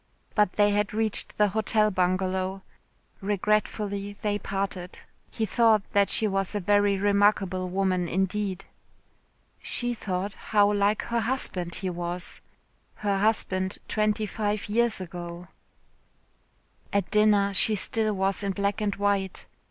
But they had reached the Hotel Bungalow. Regretfully they parted. He thought that she was a very remarkable woman indeed. She thought how like her husband he was. Her husband twenty five years ago. At dinner she still was in black and white.